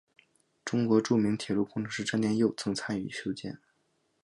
中国著名铁路工程师詹天佑曾参与修建。